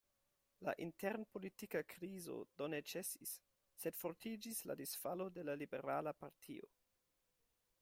La intern-politika krizo do ne ĉesis, sed fortiĝis la disfalo de la Liberala partio.